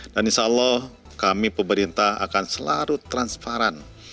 dan insya allah kami pemerintah akan selalu transparan